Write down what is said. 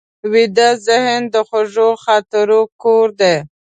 ویده ذهن د خوږو خاطرو کور دی